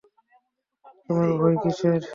তোমার ভয় কিসের?